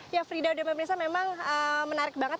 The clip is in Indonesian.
ya frida dan mbak mereza memang menarik banget